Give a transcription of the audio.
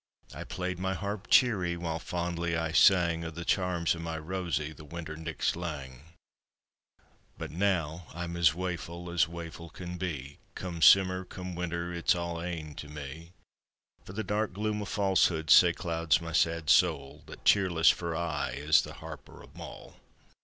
I played my harp cheery, while fondly I sang O' the charms o' my Rosie the winter nichts lang; But now I'm as waefu' as waefu' can be, Come simmer, come winter, it's a' ane to me; For the dark gloom o' falsehood sae clouds my sad soul, That cheerless for aye is the Harper O' Mull.